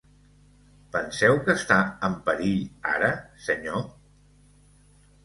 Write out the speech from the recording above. Penseu que està en perill ara, senyor?